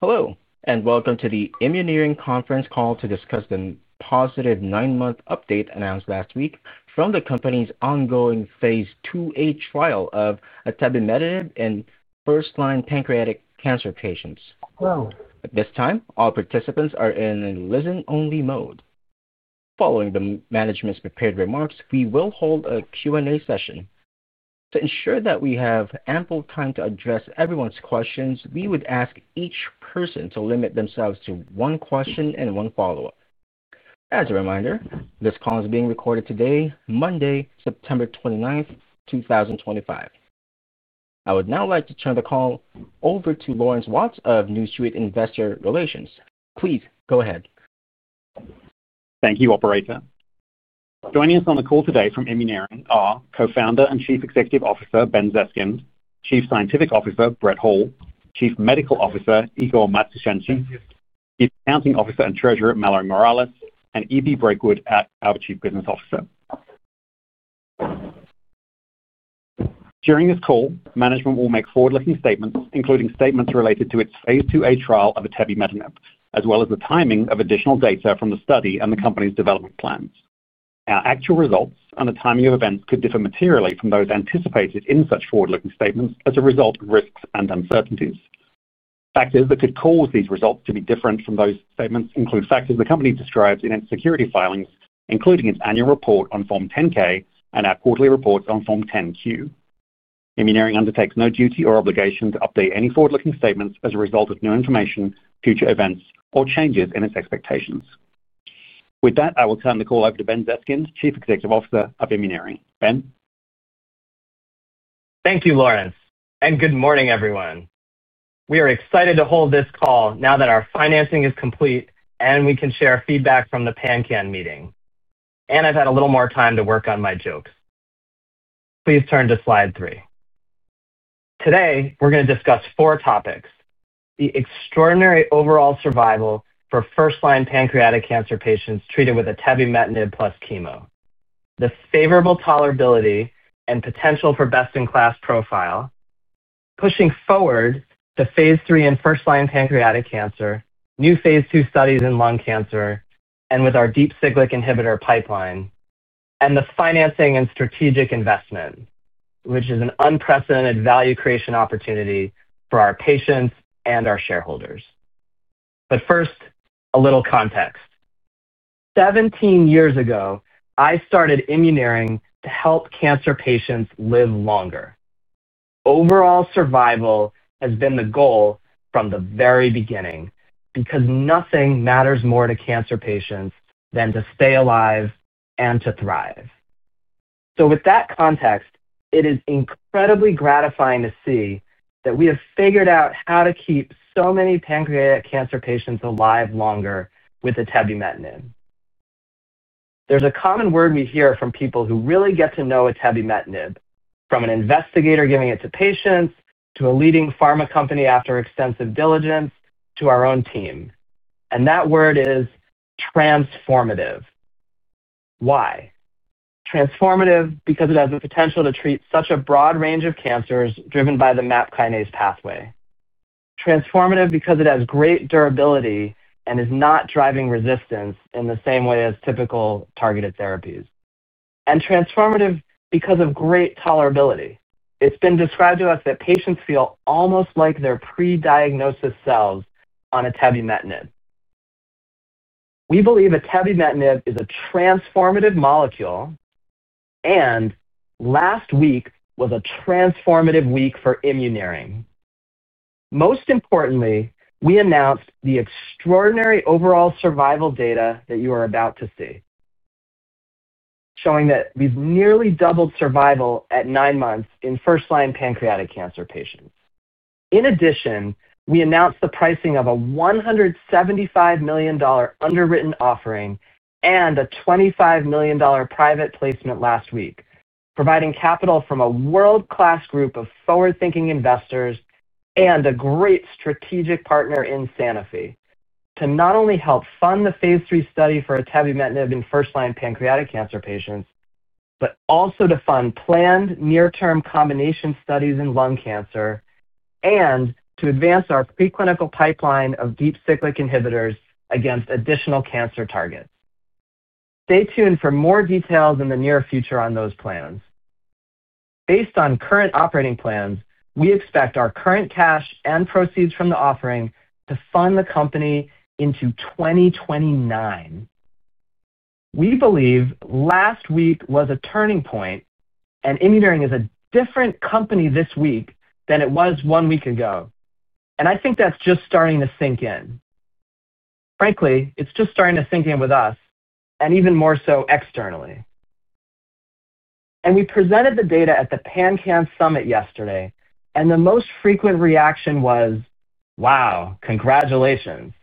Hello, and welcome to the Pharmaceutical Industries conference call to discuss the positive nine-month update announced last week from the company's ongoing Phase IIa trial of Atebimetinib in first-line pancreatic cancer patients. Wow. At this time, all participants are in a listen-only mode. Following the management's prepared remarks, we will hold a Q&A session. To ensure that we have ample time to address everyone's questions, we would ask each person to limit themselves to one question and one follow-up. As a reminder, this call is being recorded today, Monday, September 29, 2025. I would now like to turn the call over to Lawrence Watts of New Street Investor Relations. Please go ahead. Thank you, operator. Joining us on the call today from Immuneering are Co Founder and Chief Executive Officer, Ben Zeskind; Chief Scientific Officer, Brett Hall; Chief Medical Officer, Igor Matusenski; Chief Accounting Officer and Treasurer, Mallory Morales; and Evie Brakewood, our Chief Business Officer. During this call, management will make forward-looking statements, including statements related to its Phase IIa trial of Atebimetinib, as well as the timing of additional data from the study and the company's development plans. Our actual results and the timing of events could differ materially from those anticipated in such forward-looking statements as a result of risks and uncertainties. Factors that could cause these results to be different from those statements include factors the company describes in its security filings, including its annual report on Form 10-K and our quarterly report on Form 10-Q. Immuneering undertakes no duty or obligation to update any forward-looking statements as a result of new information, future events, or changes in its expectations. With that, I will turn the call over to Ben Zeskind, Chief Executive Officer of Immuneering. Ben. Thank you, Lawrence, and good morning, everyone. We are excited to hold this call now that our financing is complete and we can share feedback from the PanCAN meeting. I've had a little more time to work on my joke. Please turn to slide three. Today, we're going to discuss four topics: the extraordinary overall survival for first-line pancreatic cancer patients treated with Atebimetinib plus chemo, the favorable tolerability and potential for best-in-class profile, pushing forward to Phase III in first-line pancreatic cancer, new Phase II studies in lung cancer with our deep cyclic inhibitor pipeline, and the financing and strategic investment, which is an unprecedented value creation opportunity for our patients and our shareholders. First, a little context. Seventeen years ago, I started Immuneering to help cancer patients live longer. Overall survival has been the goal from the very beginning because nothing matters more to cancer patients than to stay alive and to thrive. With that context, it is incredibly gratifying to see that we have figured out how to keep so many pancreatic cancer patients alive longer with Atebimetinib. There's a common word we hear from people who really get to know Atebimetinib, from an investigator giving it to patients to a leading pharma company after extensive diligence to our own team. That word is transformative. Why? Transformative because it has the potential to treat such a broad range of cancers driven by the MAP Kinase pathway. Transformative because it has great durability and is not driving resistance in the same way as typical targeted therapies. Transformative because of great tolerability. It's been described to us that patients feel almost like their pre-diagnosis selves on Atebimetinib. We believe Atebimetinib is a transformative molecule, and last week was a transformative week for Immuneering. Most importantly, we announced the extraordinary overall survival data that you are about to see, showing that we've nearly doubled survival at nine months in first-line pancreatic cancer patients. In addition, we announced the pricing of a $175 million underwritten offering and a $25 million private placement last week, providing capital from a world-class group of forward-thinking investors and a great strategic partner in Sanofi to not only help fund the Phase III study for Atebimetinib in first-line pancreatic cancer patients, but also to fund planned near-term combination studies in lung cancer and to advance our preclinical pipeline of deep cyclic inhibitors against additional cancer targets. Stay tuned for more details in the near future on those plans. Based on current operating plans, we expect our current cash and proceeds from the offering to fund the company into 2029. We believe last week was a turning point, and Immuneering is a different company this week than it was one week ago. I think that's just starting to sink in. Frankly, it's just starting to sink in with us, and even more so externally. We presented the data at the PanCAN Summit yesterday, and the most frequent reaction was, "Wow, congratulations."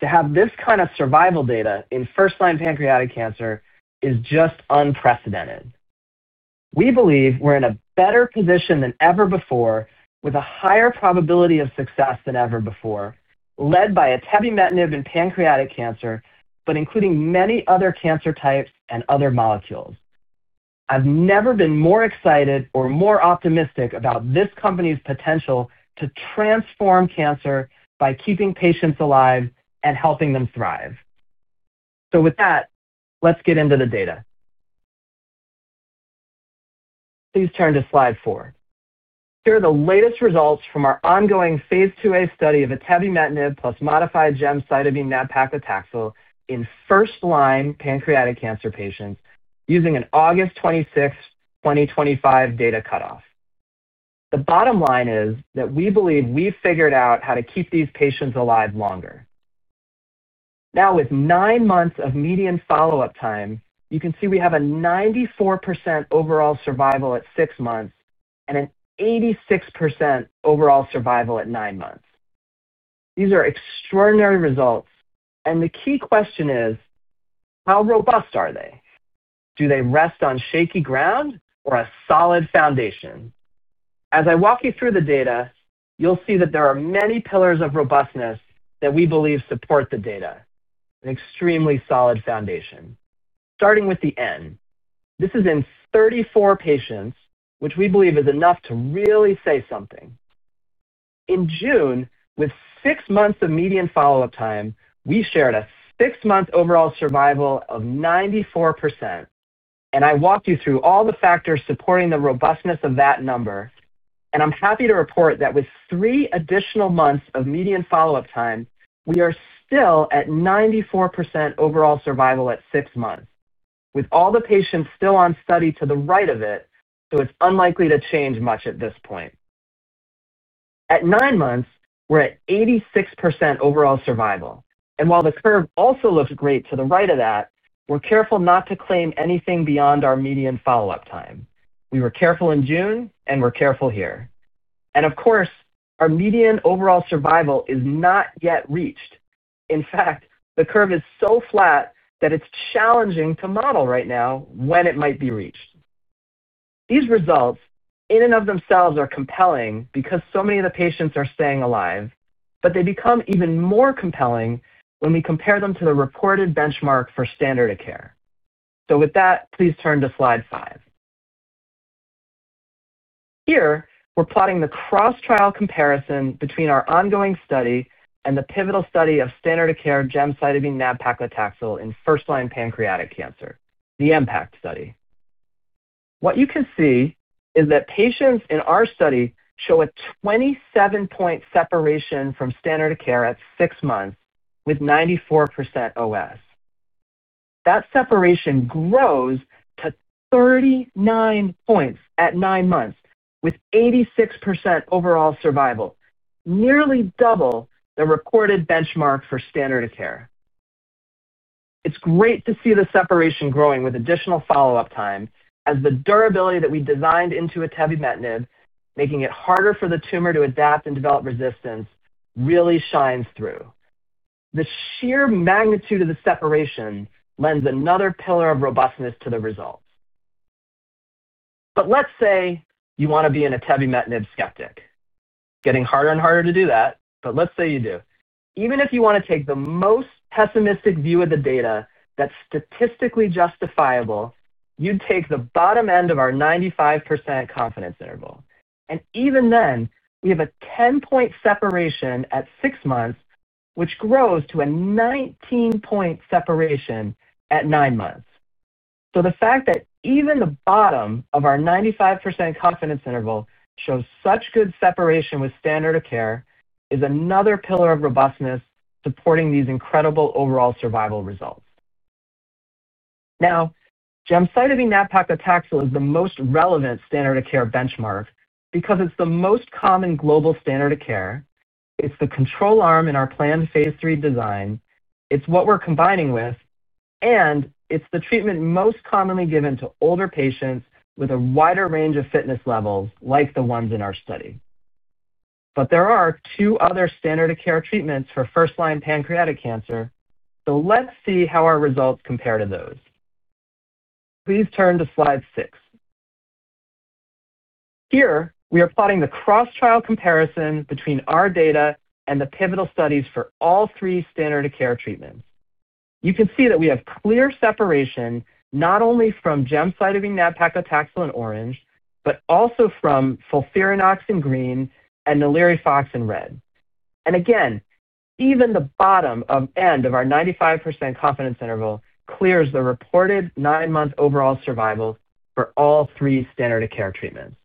To have this kind of survival data in first-line pancreatic cancer is just unprecedented. We believe we're in a better position than ever before, with a higher probability of success than ever before, led by Atebimetinib in pancreatic cancer, but including many other cancer types and other molecules. I've never been more excited or more optimistic about this company's potential to transform cancer by keeping patients alive and helping them thrive. With that, let's get into the data. Please turn to slide four. Here are the latest results from our ongoing Phase IIa study of Atebimetinib plus modified gemcitabine nab-paclitaxel in first-line pancreatic cancer patients using an August 26, 2025 data cutoff. The bottom line is that we believe we've figured out how to keep these patients alive longer. Now, with nine months of median follow-up time, you can see we have a 94% overall survival at six months and an 86% overall survival at nine months. These are extraordinary results, and the key question is, how robust are they? Do they rest on shaky ground or a solid foundation? As I walk you through the data, you'll see that there are many pillars of robustness that we believe support the data, an extremely solid foundation. Starting with the end, this is in 34 patients, which we believe is enough to really say something. In June, with six months of median follow-up time, we shared a six-month overall survival of 94%. I walked you through all the factors supporting the robustness of that number, and I'm happy to report that with three additional months of median follow-up time, we are still at 94% overall survival at six months, with all the patients still on study to the right of it, so it's unlikely to change much at this point. At nine months, we're at 86% overall survival. While the curve also looks great to the right of that, we're careful not to claim anything beyond our median follow-up time. We were careful in June, and we're careful here. Of course, our median overall survival is not yet reached. In fact, the curve is so flat that it's challenging to model right now when it might be reached. These results, in and of themselves, are compelling because so many of the patients are staying alive, but they become even more compelling when we compare them to the reported benchmark for Standard of Care. Please turn to slide five. Here, we're plotting the cross-trial comparison between our ongoing study and the pivotal study of Standard of Care gemcitabine plus nab-paclitaxel in first-line pancreatic cancer, the EMPACT study. What you can see is that patients in our study show a 27-point separation from Standard of Care at six months, with 94% overall survival. That separation grows to 39 points at nine months, with 86% overall survival, nearly double the reported benchmark for Standard of Care. It's great to see the separation growing with additional follow-up time, as the durability that we designed into Atebimetinib, making it harder for the tumor to adapt and develop resistance, really shines through. The sheer magnitude of the separation lends another pillar of robustness to the results. Let's say you want to be an Atebimetinib skeptic. Getting harder and harder to do that, but let's say you do. Even if you want to take the most pessimistic view of the data that's statistically justifiable, you'd take the bottom end of our 95% confidence interval. Even then, we have a 10-point separation at six months, which grows to a 19-point separation at nine months. The fact that even the bottom of our 95% confidence interval shows such good separation with Standard of Care is another pillar of robustness supporting these incredible overall survival results. Now, gemcitabine plus nab-paclitaxel is the most relevant Standard of Care benchmark because it's the most common global Standard of Care. It's the control arm in our planned Phase III design. It's what we're combining with, and it's the treatment most commonly given to older patients with a wider range of fitness levels, like the ones in our study. There are two other Standard of Care treatments for first-line pancreatic cancer, so let's see how our results compare to those. Please turn to slide six. Here, we are plotting the cross-trial comparison between our data and the pivotal studies for all three Standard of Care treatments. You can see that we have clear separation not only from gemcitabine plus nab-paclitaxel in orange, but also from FOLFIRINOX in green and NALIRIFOX in red. Again, even the bottom end of our 95% confidence interval clears the reported nine-month overall survival for all three Standard of Care treatments.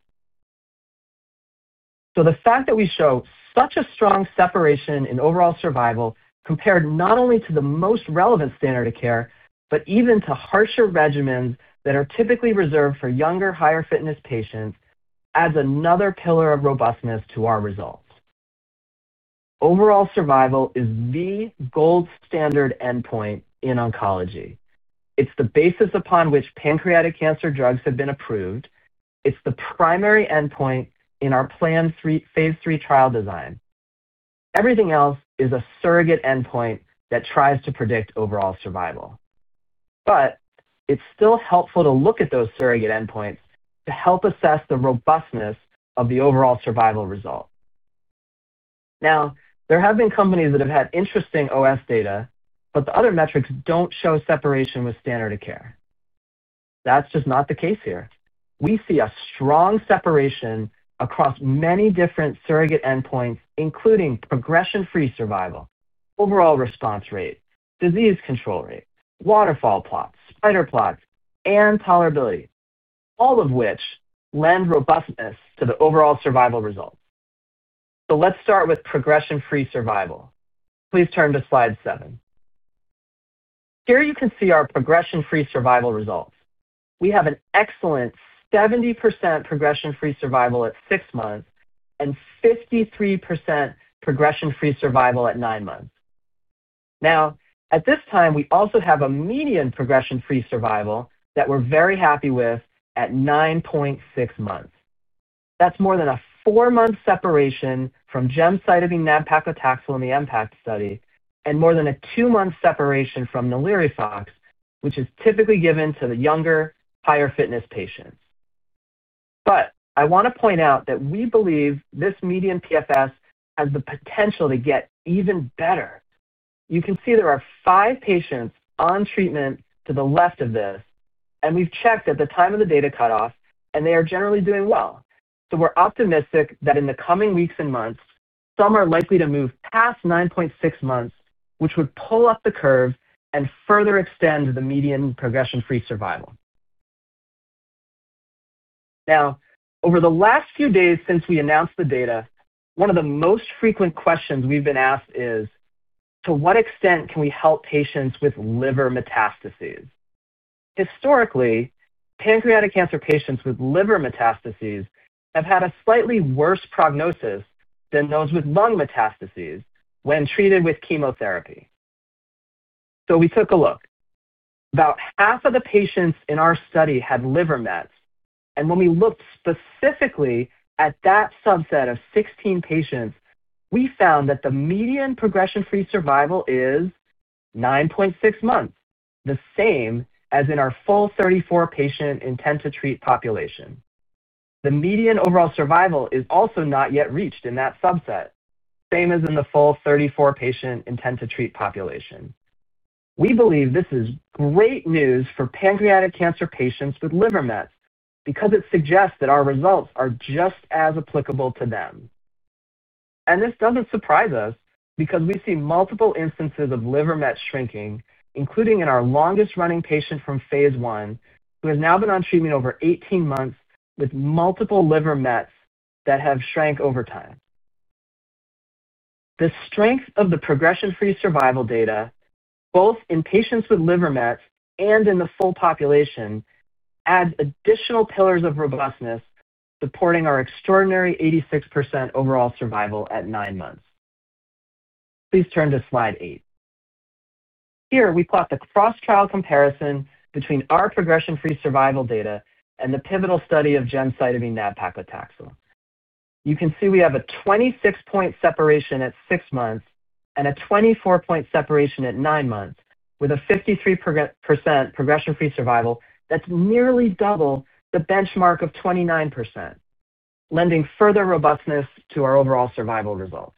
The fact that we show such a strong separation in overall survival compared not only to the most relevant Standard of Care, but even to harsher regimens that are typically reserved for younger, higher fitness patients, adds another pillar of robustness to our results. Overall survival is the gold standard endpoint in oncology. It's the basis upon which pancreatic cancer drugs have been approved. It's the primary endpoint in our planned Phase III trial design. Everything else is a surrogate endpoint that tries to predict overall survival. It's still helpful to look at those surrogate endpoints to help assess the robustness of the overall survival result. There have been companies that have had interesting OS data, but the other metrics don't show separation with Standard of Care. That's just not the case here. We see a strong separation across many different surrogate endpoints, including progression-free survival, overall response rate, disease control rate, waterfall plots, spider plots, and tolerability, all of which lend robustness to the overall survival result. Let's start with progression-free survival. Please turn to slide seven. Here, you can see our progression-free survival results. We have an excellent 70% progression-free survival at six months and 53% progression-free survival at nine months. At this time, we also have a median progression-free survival that we're very happy with at 9.6 months. That's more than a four-month separation from gemcitabine plus nab-paclitaxel in the EMPACT study and more than a two-month separation from NALIRIFOX, which is typically given to the younger, higher fitness patients. I want to point out that we believe this median PFS has the potential to get even better. You can see there are five patients on treatment to the left of this, and we've checked at the time of the data cutoff, and they are generally doing well. We're optimistic that in the coming weeks and months, some are likely to move past 9.6 months, which would pull up the curve and further extend the median progression-free survival. Over the last few days since we announced the data, one of the most frequent questions we've been asked is, to what extent can we help patients with liver metastases? Historically, pancreatic cancer patients with liver metastases have had a slightly worse prognosis than those with lung metastases when treated with chemotherapy. We took a look. About half of the patients in our study had liver mets, and when we looked specifically at that subset of 16 patients, we found that the median progression-free survival is 9.6 months, the same as in our full 34-patient intent-to-treat population. The median overall survival is also not yet reached in that subset, same as in the full 34-patient intent-to-treat population. We believe this is great news for pancreatic cancer patients with liver mets because it suggests that our results are just as applicable to them. This doesn't surprise us because we see multiple instances of liver mets shrinking, including in our longest-running patient from Phase I, who has now been on treatment over 18 months with multiple liver mets that have shrank over time. The strength of the progression-free survival data, both in patients with liver mets and in the full population, adds additional pillars of robustness supporting our extraordinary 86% overall survival at nine months. Please turn to slide eight. Here, we plot the cross-trial comparison between our progression-free survival data and the pivotal study of gemcitabine plus nab-paclitaxel. You can see we have a 26-point separation at six months and a 24-point separation at nine months, with a 53% progression-free survival that's nearly double the benchmark of 29%, lending further robustness to our overall survival results.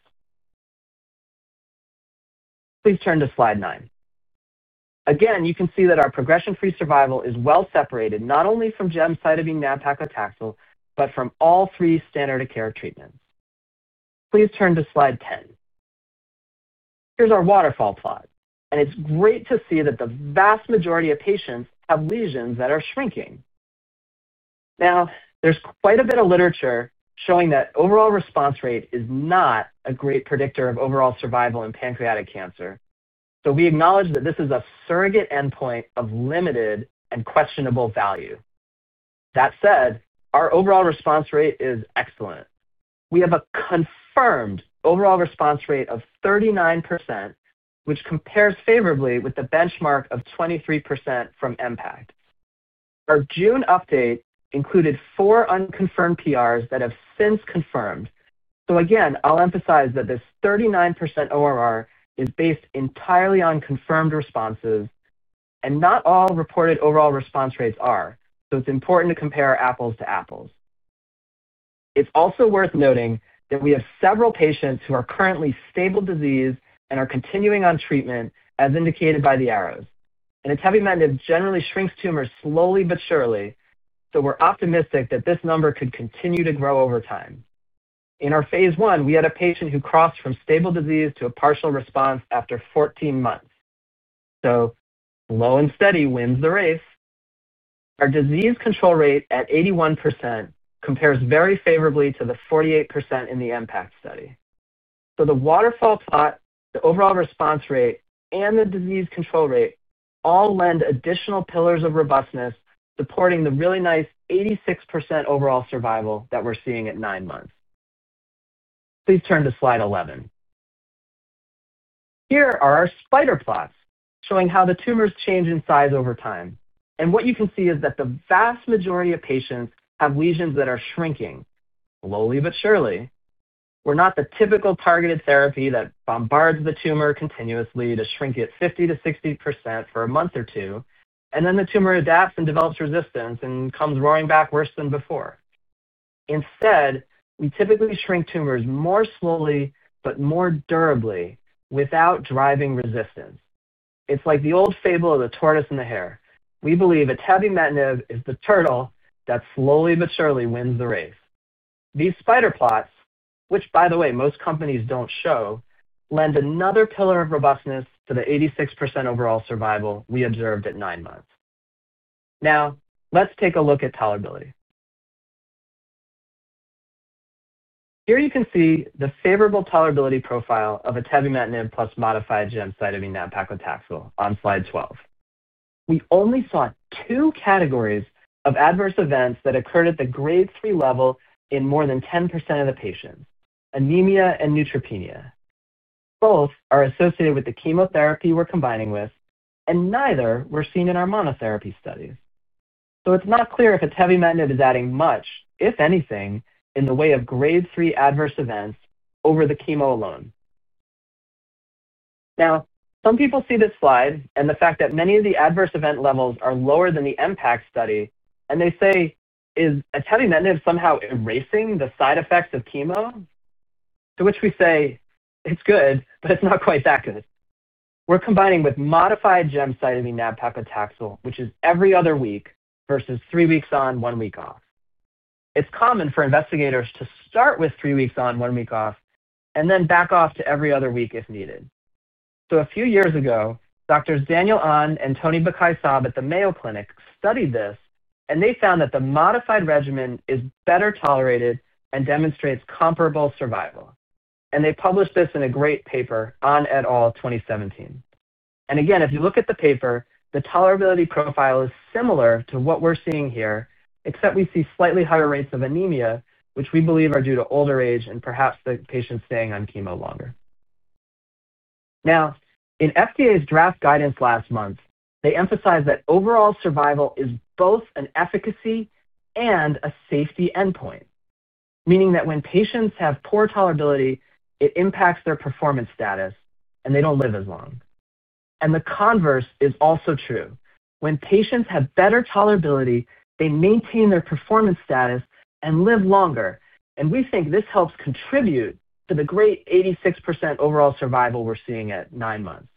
Please turn to slide nine. Again, you can see that our progression-free survival is well separated not only from gemcitabine plus nab-paclitaxel, but from all three Standard of Care treatments. Please turn to slide 10. Here's our waterfall plot, and it's great to see that the vast majority of patients have lesions that are shrinking. Now, there's quite a bit of literature showing that overall response rate is not a great predictor of overall survival in pancreatic cancer, so we acknowledge that this is a surrogate endpoint of limited and questionable value. That said, our overall response rate is excellent. We have a confirmed overall response rate of 39%, which compares favorably with the benchmark of 23% from EMPACT. Our June update included four unconfirmed PRs that have since confirmed. I'll emphasize that this 39% ORR is based entirely on confirmed responses, and not all reported overall response rates are, so it's important to compare apples to apples. It's also worth noting that we have several patients who are currently stable disease and are continuing on treatment, as indicated by the arrows. Atebimetinib generally shrinks tumors slowly but surely, so we're optimistic that this number could continue to grow over time. In our Phase I, we had a patient who crossed from stable disease to a partial response after 14 months. Slow and steady wins the race. Our disease control rate at 81% compares very favorably to the 48% in the EMPACT study. The waterfall plot, the overall response rate, and the disease control rate all lend additional pillars of robustness supporting the really nice 86% overall survival that we're seeing at nine months. Please turn to slide 11. Here are our spider plots, showing how the tumors change in size over time. What you can see is that the vast majority of patients have lesions that are shrinking slowly but surely. We're not the typical targeted therapy that bombards the tumor continuously to shrink it 50%-60% for a month or two, and then the tumor adapts and develops resistance and comes roaring back worse than before. Instead, we typically shrink tumors more slowly but more durably without driving resistance. It's like the old fable of the tortoise and the hare. We believe Atebimetinib is the turtle that slowly but surely wins the race. These spider plots, which, by the way, most companies don't show, lend another pillar of robustness to the 86% overall survival we observed at nine months. Now, let's take a look at tolerability. Here, you can see the favorable tolerability profile of Atebimetinib plus modified gemcitabine plus nab-paclitaxel on slide 12. We only saw two categories of adverse events that occurred at the grade III level in more than 10% of the patients: anemia and neutropenia. Both are associated with the chemotherapy we're combining with, and neither were seen in our monotherapy studies. It's not clear if Atebimetinib is adding much, if anything, in the way of grade III adverse events over the chemo alone. Some people see this slide and the fact that many of the adverse event levels are lower than the EMPACT study, and they say, "Is Atebimetinib somehow erasing the side effects of chemo?" We say, "It's good, but it's not quite that good." We're combining with modified gemcitabine plus nab-paclitaxel, which is every other week versus three weeks on, one week off. It's common for investigators to start with three weeks on, one week off, and then back off to every other week if needed. A few years ago, Doctors Daniel Ahn and Tony Bekhai Sab at the Mayo Clinic studied this, and they found that the modified regimen is better tolerated and demonstrates comparable survival. They published this in a great paper, Ahn et al., 2017. If you look at the paper, the tolerability profile is similar to what we're seeing here, except we see slightly higher rates of anemia, which we believe are due to older age and perhaps the patients staying on chemo longer. In FDA's draft guidance last month, they emphasized that overall survival is both an efficacy and a safety endpoint, meaning that when patients have poor tolerability, it impacts their performance status, and they don't live as long. The converse is also true. When patients have better tolerability, they maintain their performance status and live longer. We think this helps contribute to the great 86% overall survival we're seeing at nine months.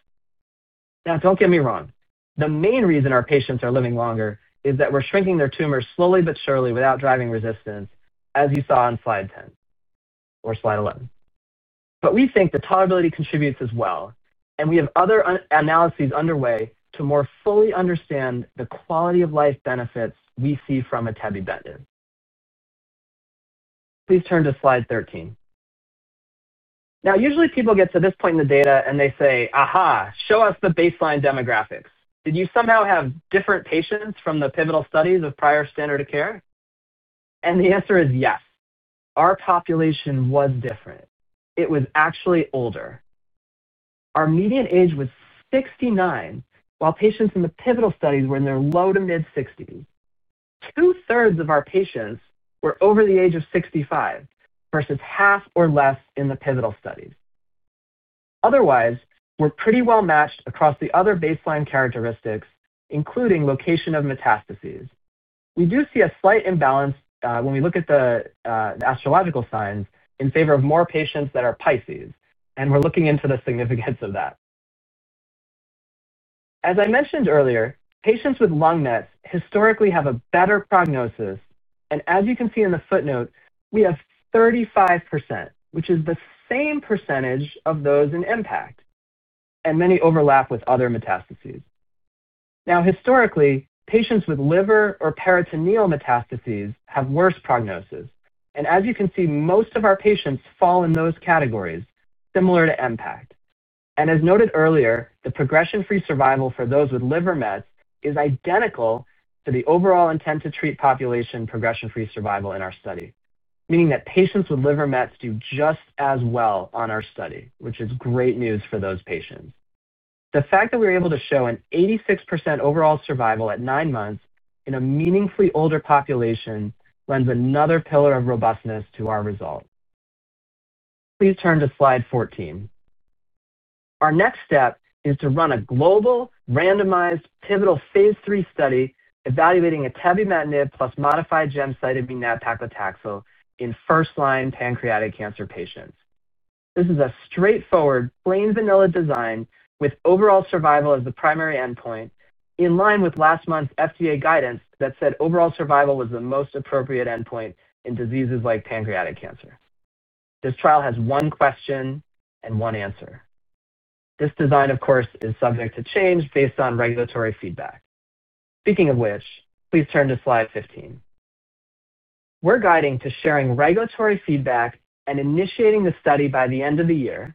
Don't get me wrong. The main reason our patients are living longer is that we're shrinking their tumors slowly but surely without driving resistance, as you saw on slide 10 or slide 11. We think the tolerability contributes as well, and we have other analyses underway to more fully understand the quality of life benefits we see from Atebimetinib. Please turn to slide 13. Usually, people get to this point in the data and they say, "Aha, show us the baseline demographics. Did you somehow have different patients from the pivotal studies of prior Standard of Care?" The answer is yes. Our population was different. It was actually older. Our median age was 69, while patients in the pivotal studies were in their low to mid 60s. Two-thirds of our patients were over the age of 65, versus half or less in the pivotal studies. Otherwise, we're pretty well matched across the other baseline characteristics, including location of metastases. We do see a slight imbalance when we look at the astrological signs in favor of more patients that are Pisces, and we're looking into the significance of that. As I mentioned earlier, patients with lung mets historically have a better prognosis, and as you can see in the footnote, we have 35%, which is the same percentage of those in EMPACT, and many overlap with other metastases. Historically, patients with liver or peritoneal metastases have worse prognosis, and as you can see, most of our patients fall in those categories, similar to EMPACT. As noted earlier, the progression-free survival for those with liver mets is identical to the overall intent-to-treat population progression-free survival in our study, meaning that patients with liver mets do just as well on our study, which is great news for those patients. The fact that we're able to show an 86% overall survival at nine months in a meaningfully older population lends another pillar of robustness to our results. Please turn to slide 14. Our next step is to run a global, randomized, pivotal Phase III study evaluating Atebimetinib plus modified gemcitabine plus nab-paclitaxel in first-line pancreatic cancer patients. This is a straightforward plain vanilla design with overall survival as the primary endpoint, in line with last month's FDA guidance that said overall survival was the most appropriate endpoint in diseases like pancreatic cancer. This trial has one question and one answer. This design, of course, is subject to change based on regulatory feedback. Speaking of which, please turn to slide 15. We're guiding to sharing regulatory feedback and initiating the study by the end of the year,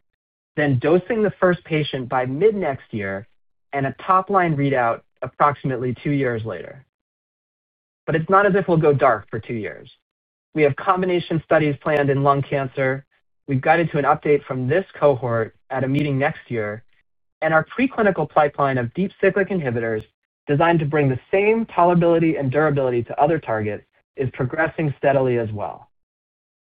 then dosing the first patient by mid-next year and a top-line readout approximately two years later. It's not as if we'll go dark for two years. We have combination studies planned in lung cancer, we've got an update from this cohort at a meeting next year, and our preclinical pipeline of deep cyclic inhibitors designed to bring the same tolerability and durability to other targets is progressing steadily as well.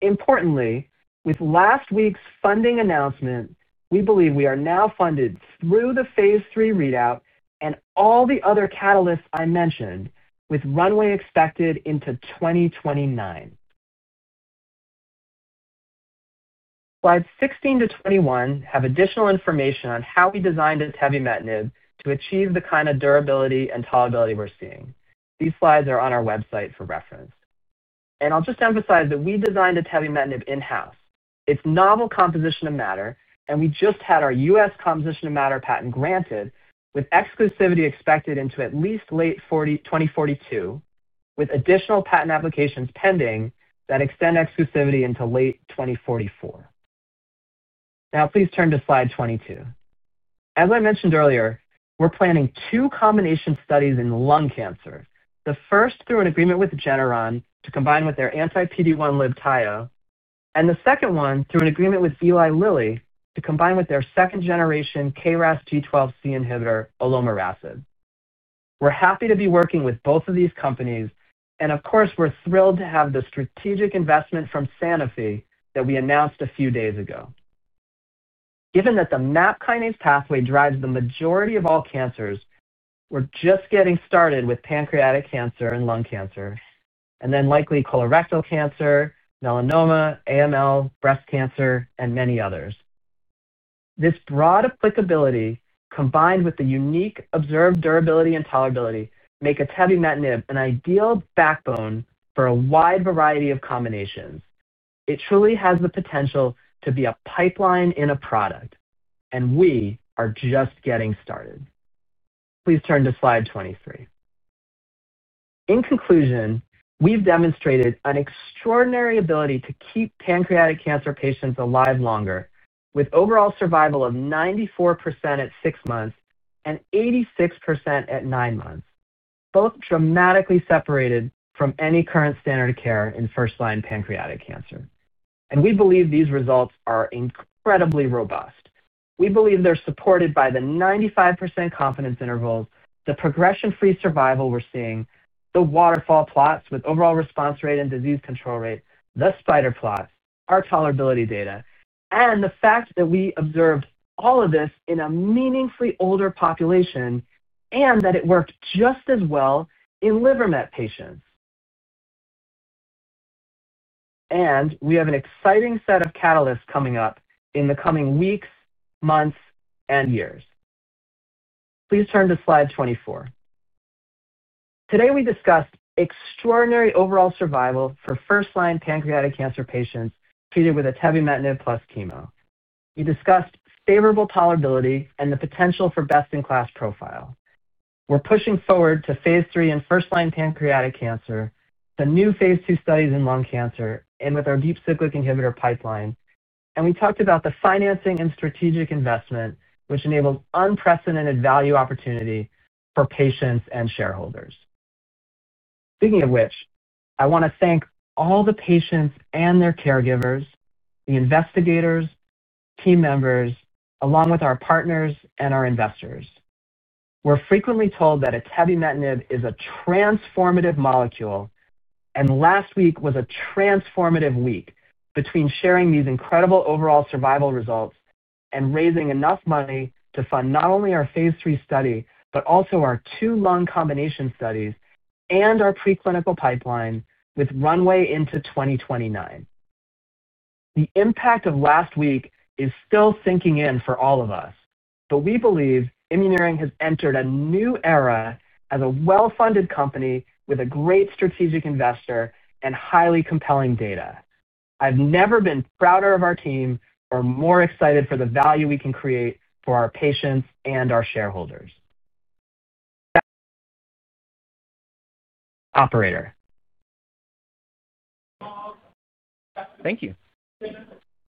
Importantly, with last week's funding announcement, we believe we are now funded through the Phase III readout and all the other catalysts I mentioned, with runway expected into 2029. Slides 16 to 21 have additional information on how we designed Atebimetinib to achieve the kind of durability and tolerability we're seeing. These slides are on our website for reference. I'll just emphasize that we designed Atebimetinib in-house. It's novel composition of matter, and we just had our U.S. composition of matter patent granted, with exclusivity expected into at least late 2042, with additional patent applications pending that extend exclusivity into late 2044. Now, please turn to slide 22. As I mentioned earlier, we're planning two combination studies in lung cancer, the first through an agreement with GENERON to combine with their anti-PD-1 leptide, and the second one through an agreement with Eli Lilly to combine with their second-generation KRAS G12C inhibitor, olomaracid. We're happy to be working with both of these companies, and of course, we're thrilled to have the strategic investment from Sanofi that we announced a few days ago. Given that the MAP kinase pathway drives the majority of all cancers, we're just getting started with pancreatic cancer and lung cancer, and then likely colorectal cancer, melanoma, AML, breast cancer, and many others. This broad applicability, combined with the unique observed durability and tolerability, make Atebimetinib an ideal backbone for a wide variety of combinations. It truly has the potential to be a pipeline in a product, and we are just getting started. Please turn to slide 23. In conclusion, we've demonstrated an extraordinary ability to keep pancreatic cancer patients alive longer, with overall survival of 94% at six months and 86% at nine months, both dramatically separated from any current Standard of Care in first-line pancreatic cancer. We believe these results are incredibly robust. We believe they're supported by the 95% confidence interval, the progression-free survival we're seeing, the waterfall plots with overall response rate and disease control rate, the spider plots, our tolerability data, and the fact that we observed all of this in a meaningfully older population and that it worked just as well in liver metastases patients. We have an exciting set of catalysts coming up in the coming weeks, months, and years. Please turn to slide 24. Today, we discussed extraordinary overall survival for first-line pancreatic cancer patients treated with Atebimetinib plus chemo. We discussed favorable tolerability and the potential for best-in-class profile. We're pushing forward to Phase III in first-line pancreatic cancer, the new Phase II studies in lung cancer, and with our deep cyclic inhibitor pipeline, and we talked about the financing and strategic investment, which enabled unprecedented value opportunity for patients and shareholders. Speaking of which, I want to thank all the patients and their caregivers, the investigators, team members, along with our partners and our investors. We're frequently told that Atebimetinib is a transformative molecule, and last week was a transformative week between sharing these incredible overall survival results and raising enough money to fund not only our Phase III study, but also our two lung combination studies and our preclinical pipeline with runway into 2029. The impact of last week is still sinking in for all of us, but we believe Immuneering has entered a new era as a well-funded company with a great strategic investor and highly compelling data. I've never been prouder of our team or more excited for the value we can create for our patients and our shareholders. Operator. Thank you.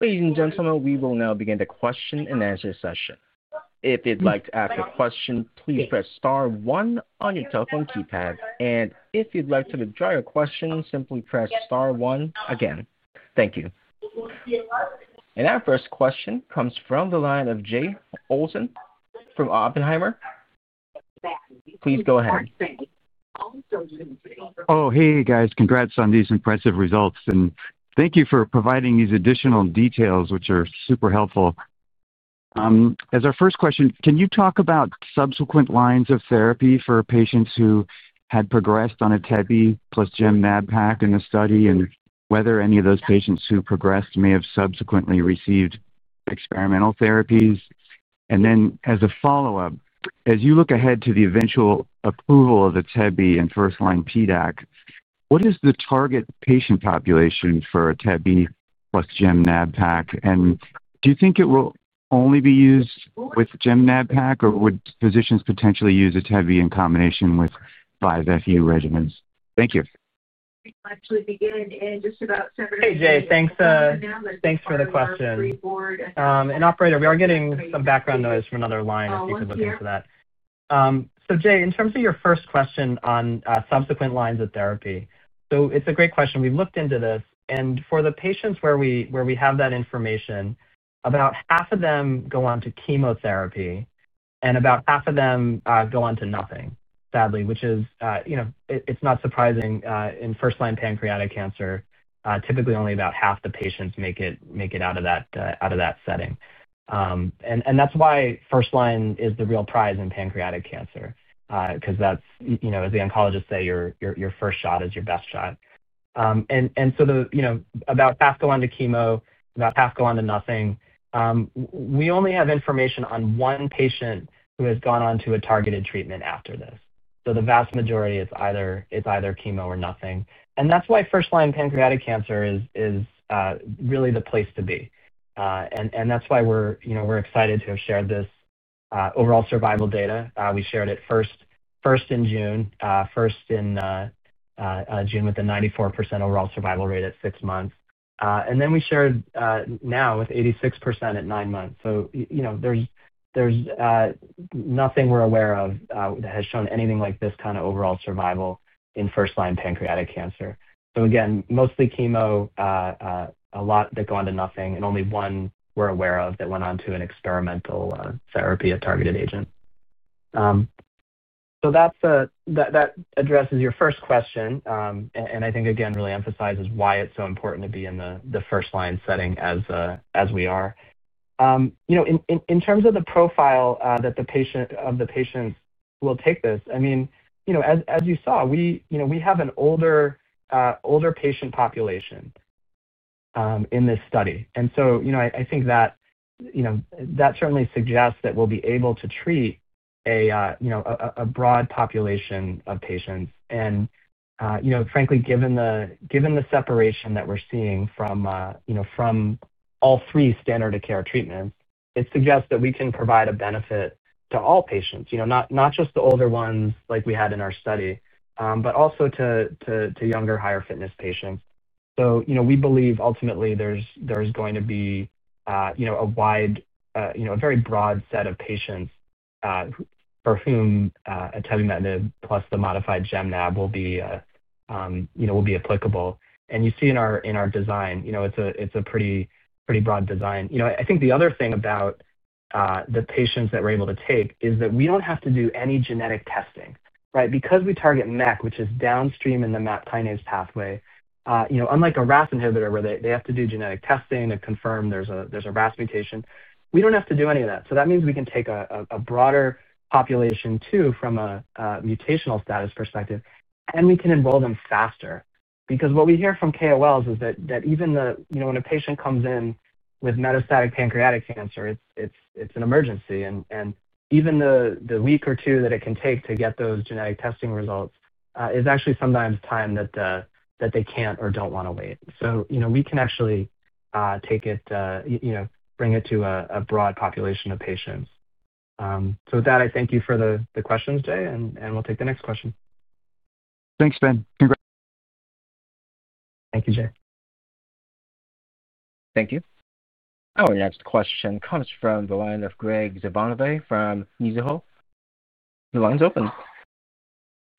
Ladies and gentlemen, we will now begin the question and answer session. If you'd like to ask a question, please press star one on your telephone keypad. If you'd like to withdraw your question, simply press star one again. Thank you. Our first question comes from the line of Jay Olson from Oppenheimer. Please go ahead. Oh, hey, guys. Congrats on these impressive results, and thank you for providing these additional details, which are super helpful. As our first question, can you talk about subsequent lines of therapy for patients who had progressed on Atebimetinib plus gemcitabine in the study and whether any of those patients who progressed may have subsequently received experimental therapies? As a follow-up, as you look ahead to the eventual approval of Atebimetinib in first-line PDAC, what is the target patient population for Atebimetinib plus gemcitabine? Do you think it will only be used with gemcitabine, or would physicians potentially use Atebimetinib in combination with 5-FU regimens? Thank you. Let's begin in just about 10 minutes. Hey, Jay. Thanks for the question. Are you forward? Operator, we are getting some background noise from another line. Oh, okay. Please look out for that. In terms of your first question on subsequent lines of therapy, it's a great question. We've looked into this, and for the patients where we have that information, about half of them go on to chemotherapy, and about half of them go on to nothing, sadly, which is not surprising in first-line pancreatic cancer. Typically, only about half the patients make it out of that setting. That is why first-line is the real prize in pancreatic cancer, because as the oncologists say, your first shot is your best shot. About half go on to chemo, about half go on to nothing. We only have information on one patient who has gone on to a targeted treatment after this. The vast majority is either chemo or nothing. That is why first-line pancreatic cancer is really the place to be. That is why we're excited to have shared this overall survival data. We shared it first in June with a 94% overall survival rate at six months, and then we shared now with 86% at nine months. There is nothing we're aware of that has shown anything like this kind of overall survival in first-line pancreatic cancer. Again, mostly chemo, a lot that go on to nothing, and only one we're aware of that went on to an experimental therapy, a targeted agent. That addresses your first question, and I think it really emphasizes why it's so important to be in the first-line setting as we are. In terms of the profile of the patients who will take this, as you saw, we have an older patient population in this study. I think that certainly suggests that we'll be able to treat a broad population of patients. Frankly, given the separation that we're seeing from all three Standard of Care treatments, it suggests that we can provide a benefit to all patients, not just the older ones like we had in our study, but also to younger, higher fitness patients. We believe ultimately there's going to be a very broad set of patients for whom Atebimetinib plus the modified gemcitabine will be applicable. You see in our design, it's a pretty broad design. I think the other thing about the patients that we're able to take is that we don't have to do any genetic testing, right? Because we target MEC, which is downstream in the MAP kinase pathway, unlike a RAS inhibitor where they have to do genetic testing to confirm there's a RAS mutation, we don't have to do any of that. That means we can take a broader population, too, from a mutational status perspective, and we can enroll them faster. What we hear from KOLs is that even when a patient comes in with metastatic pancreatic cancer, it's an emergency. Even the week or two that it can take to get those genetic testing results is actually sometimes time that they can't or don't want to wait. We can actually bring it to a broad population of patients. With that, I thank you for the questions, Jay, and we'll take the next question. Thanks, Ben. Thank you, Jay. Thank you. Our next question comes from the line of Greg Devante from Midaho. The line's open.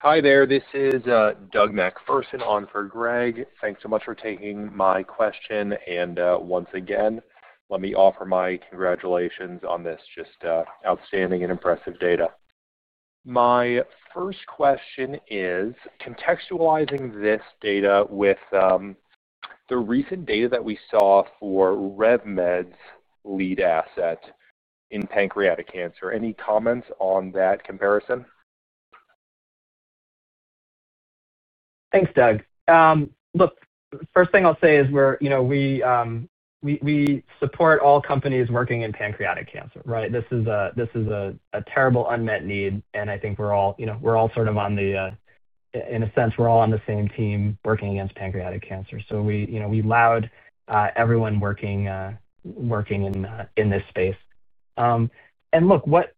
Hi there. This is Doug MacPherson on for Greg. Thanks so much for taking my question. Once again, let me offer my congratulations on this just outstanding and impressive data. My first question is contextualizing this data with the recent data that we saw for RevMed's lead asset in pancreatic cancer. Any comments on that comparison? Thanks, Doug. The first thing I'll say is we support all companies working in pancreatic cancer, right? This is a terrible unmet need, and I think we're all sort of, in a sense, on the same team working against pancreatic cancer. We laud everyone working in this space. What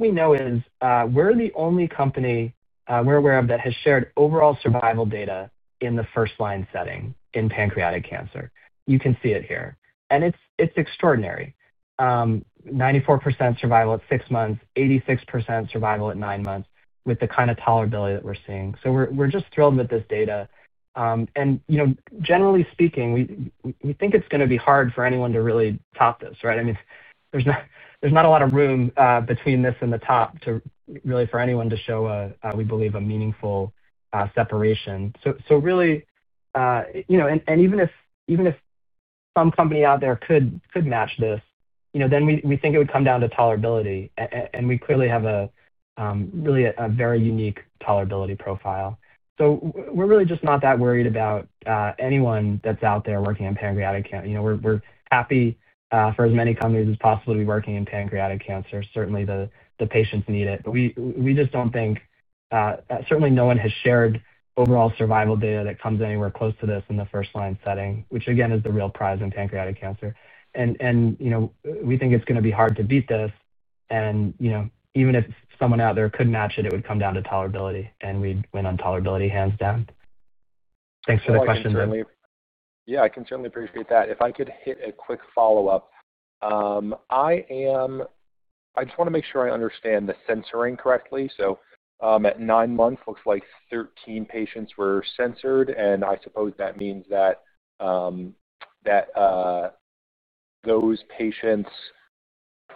we know is we're the only company we're aware of that has shared overall survival data in the first-line setting in pancreatic cancer. You can see it here. It's extraordinary: 94% survival at six months, 86% survival at nine months with the kind of tolerability that we're seeing. We're just thrilled with this data. Generally speaking, we think it's going to be hard for anyone to really top this, right? There's not a lot of room between this and the top for anyone to show, we believe, a meaningful separation. Even if some company out there could match this, we think it would come down to tolerability. We clearly have a really very unique tolerability profile. We're really just not that worried about anyone that's out there working in pancreatic cancer. We're happy for as many companies as possible to be working in pancreatic cancer. Certainly, the patients need it. We just don't think, certainly no one has shared overall survival data that comes anywhere close to this in the first-line setting, which again is the real prize in pancreatic cancer. We think it's going to be hard to beat this. Even if someone out there could match it, it would come down to tolerability. We'd win on tolerability, hands down. Thanks for the question, Doug. I can certainly appreciate that. If I could hit a quick follow-up, I just want to make sure I understand the censoring correctly. At nine months, it looks like 13 patients were censored, and I suppose that means that those patients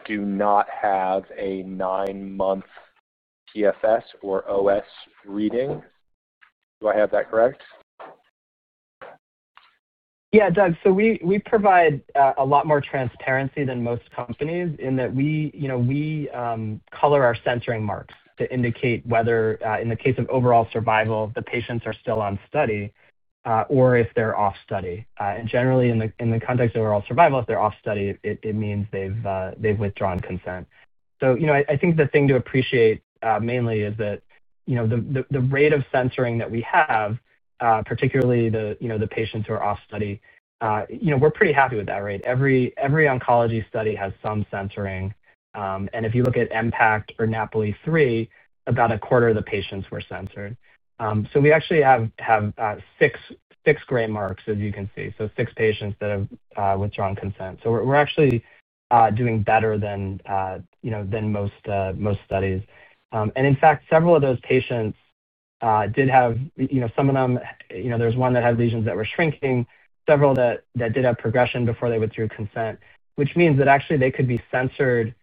do not have a nine-month PFS or OS reading. Do I have that correct? Yeah, Doug. We provide a lot more transparency than most companies in that we color our censoring marks to indicate whether, in the case of overall survival, the patients are still on study or if they're off study. Generally, in the context of overall survival, if they're off study, it means they've withdrawn consent. I think the thing to appreciate mainly is that the rate of censoring that we have, particularly the patients who are off study, we're pretty happy with that rate. Every oncology study has some censoring. If you look at EMPACT or NAPLI-3, about 25% of the patients were censored. We actually have six gray marks, as you can see, so six patients that have withdrawn consent. We're actually doing better than most studies. In fact, several of those patients did have, some of them, there's one that had lesions that were shrinking, several that did have progression before they withdrew consent, which means that actually they could be censored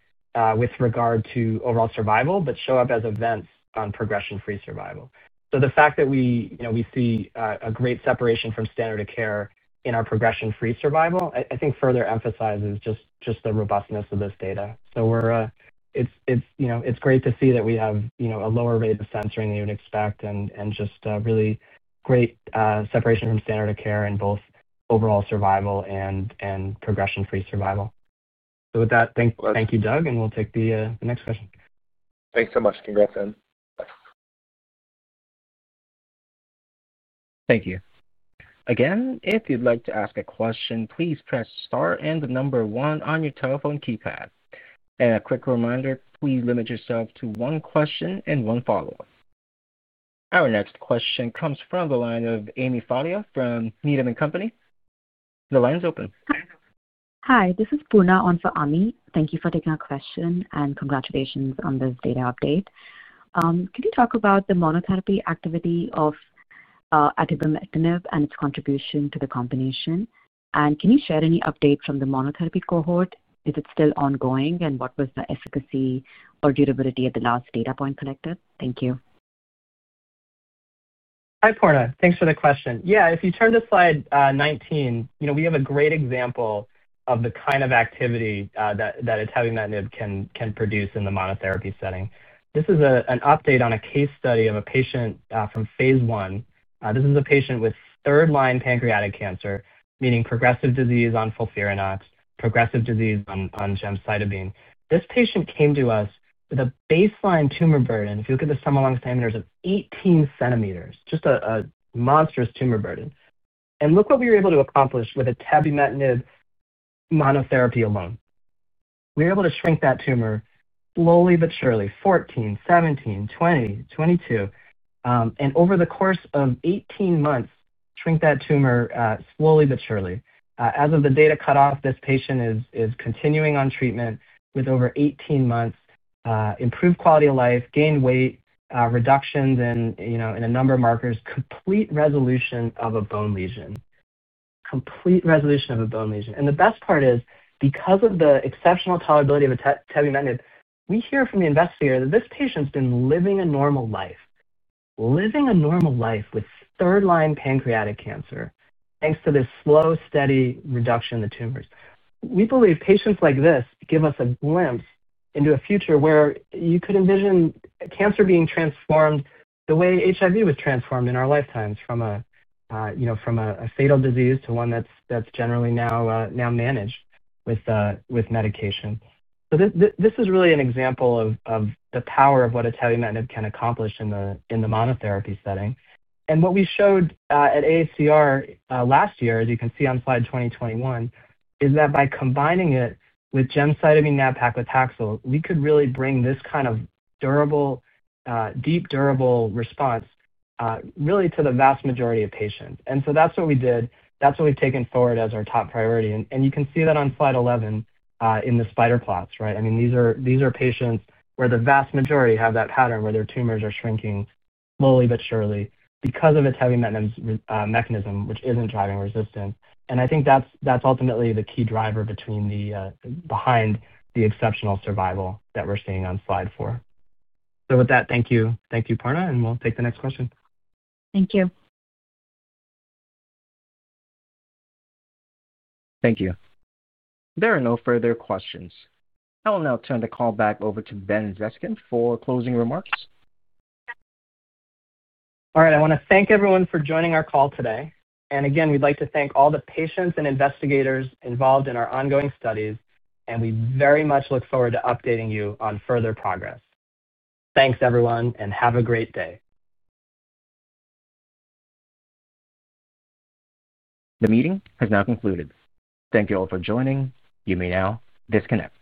with regard to overall survival but show up as events on progression-free survival. The fact that we see a great separation from Standard of Care in our progression-free survival, I think, further emphasizes just the robustness of this data. It's great to see that we have a lower rate of censoring than you would expect and just really great separation from Standard of Care in both overall survival and progression-free survival. With that, thank you, Doug, and we'll take the next question. Thanks so much. Congrats, Ben. Thank you. Again, if you'd like to ask a question, please press star and the number one on your telephone keypad. A quick reminder, please limit yourself to one question and one follow-up. Our next question comes from the line of Ami Fadia from Needham & Company. The line's open. Hi, this is Poorna on for Ami. Thank you for taking our question and congratulations on this data update. Can you talk about the monotherapy activity of Atebimetinib and its contribution to the combination? Can you share any updates from the monotherapy cohort if it's still ongoing and what was the efficacy or durability of the last data point collected? Thank you. Hi, Poona. Thanks for the question. If you turn to slide 19, we have a great example of the kind of activity that Atebimetinib can produce in the monotherapy setting. This is an update on a case study of a patient from Phase I. This is a patient with third-line pancreatic cancer, meaning progressive disease on FOLFIRINOX, progressive disease on gemcitabine. This patient came to us with a baseline tumor burden. If you look at the stoma, longest diameter is 18 centimeters, just a monstrous tumor burden. Look what we were able to accomplish with Atebimetinib monotherapy alone. We were able to shrink that tumor slowly but surely, 14, 17, 20, 22. Over the course of 18 months, shrink that tumor slowly but surely. As of the data cutoff, this patient is continuing on treatment with over 18 months, improved quality of life, gained weight, reductions in a number of markers, complete resolution of a bone lesion. Complete resolution of a bone lesion. The best part is, because of the exceptional tolerability of Atebimetinib, we hear from the investigator that this patient's been living a normal life, living a normal life with third-line pancreatic cancer, thanks to this slow, steady reduction in the tumors. We believe patients like this give us a glimpse into a future where you could envision cancer being transformed the way HIV was transformed in our lifetimes from a fatal disease to one that's generally now managed with medication. This is really an example of the power of what Atebimetinib can accomplish in the monotherapy setting. What we showed at AACR last year, as you can see on slide 20, 21, is that by combining it with gemcitabine plus nab-paclitaxel, we could really bring this kind of deep, durable response to the vast majority of patients. That's what we did. That's what we've taken forward as our top priority. You can see that on slide 11 in the spider plots, right? These are patients where the vast majority have that pattern where their tumors are shrinking slowly but surely because of Atebimetinib's mechanism, which isn't driving resistance. I think that's ultimately the key driver behind the exceptional survival that we're seeing on slide four. Thank you, Poorna, and we'll take the next question. Thank you. Thank you. There are no further questions. I'll now turn the call back over to Ben Zeskind for closing remarks. All right, I want to thank everyone for joining our call today. We would like to thank all the patients and investigators involved in our ongoing studies, and we very much look forward to updating you on further progress. Thanks, everyone, and have a great day. The meeting has now concluded. Thank you all for joining. You may now disconnect.